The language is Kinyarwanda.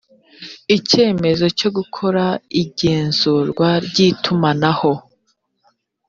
icyemezo cyo gukora igenzura ry itumanaho